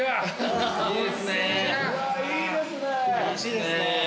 いいですね。